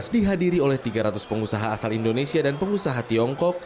dihadiri oleh tiga ratus pengusaha asal indonesia dan pengusaha tiongkok